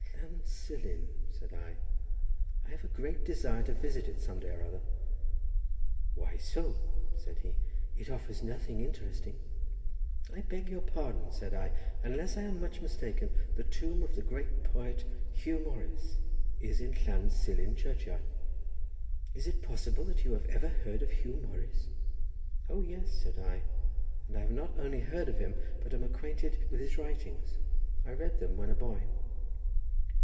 "Llan Silin?" said I; "I have a great desire to visit it some day or other." "Why so?" said he; "it offers nothing interesting." "I beg your pardon," said I; "unless I am much mistaken, the tomb of the great poet Huw Morris is in Llan Silin churchyard." "Is it possible that you have ever heard of Huw Morris?" "O yes," said I; "and I have not only heard of him, but am acquainted with his writings; I read them when a boy."